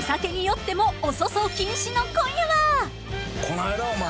「この間お前。